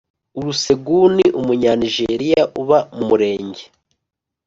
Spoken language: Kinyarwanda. Olusegun Umunyanijeriya uba mu Murenge